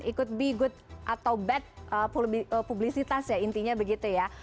it could be good atau bad publisitas ya intinya begitu ya